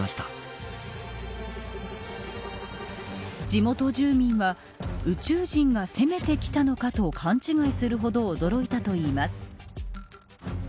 地元住民は宇宙人が攻めてきたのかと勘違いするほど驚いたといいます。